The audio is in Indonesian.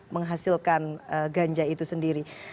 menghasilkan ganja itu sendiri